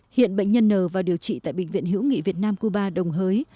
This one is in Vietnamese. hiện bệnh nhân n vào điều trị tại bệnh viện hữu nghị việt nam cuba đồng hới